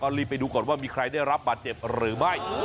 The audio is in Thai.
รีบไปดูก่อนว่ามีใครได้รับบาดเจ็บหรือไม่